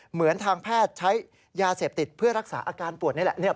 เหมือนทางแพทย์ใช้ยาเสพติดเพื่อรักษาอาการปวดนี่แหละ